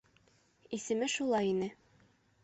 Исеме шулай ине.